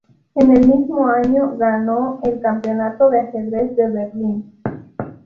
En el mismo año, ganó el Campeonato de Ajedrez de Berlín.